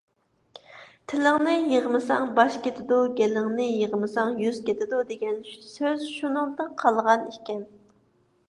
«تىلىڭنى يىغمىساڭ، باش كېتىدۇ. گېلىڭنى يىغمىساڭ، يۈز كېتىدۇ» دېگەن سۆز شۇنىڭدىن قالغان ئىكەن.